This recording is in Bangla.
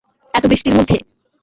এত বৃষ্টির মধ্যে?